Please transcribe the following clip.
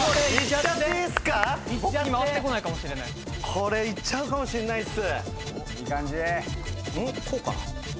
これいっちゃうかもしんないっす。